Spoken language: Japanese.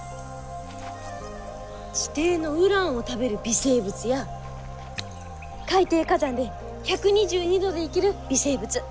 地底のウランを食べる微生物や海底火山で１２２℃で生きる微生物。